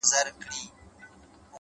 • چي هر مړی ښخېدی همدا کیسه وه,